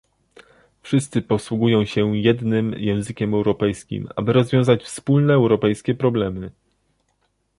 Wszyscy posługują się jednym językiem europejskim, aby rozwiązywać wspólne europejskie problemy